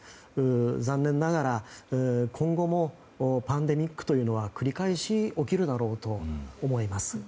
残念ながら、今後もパンデミックは繰り返し起きるだろうと思います。